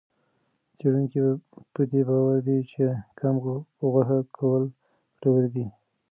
څېړونکي په دې باور دي چې کم غوښه کول ګټور دي.